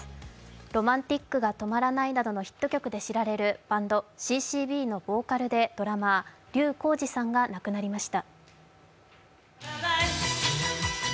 「Ｒｏｍａｎｔｉｃが止まらない」などのヒット曲で知られるＣ−Ｃ−Ｂのボーカルでドラマー、笠浩二さんが亡くなりました。